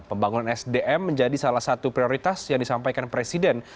pembangunan sdm menjadi salah satu prioritas yang disampaikan presiden